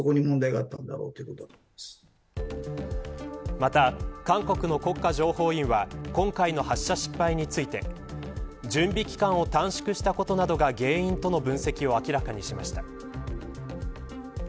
また、韓国の国家情報院は今回の発射失敗について準備期間を短縮したことなどが原因、との分析を明らかにしました。